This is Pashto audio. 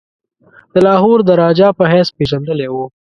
د لاهور د راجا په حیث پيژندلی وو.